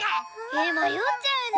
えまよっちゃうね。